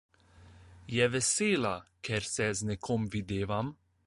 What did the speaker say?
Je vesela, ker se z nekom videvam?